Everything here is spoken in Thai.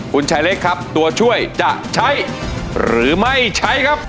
คุณชายเล็กครับตัวช่วยจะใช้หรือไม่ใช้ครับ